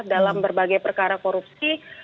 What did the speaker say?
dalam berbagai perkara korupsi